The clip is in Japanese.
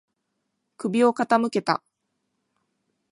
首を傾けた。